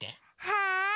はい！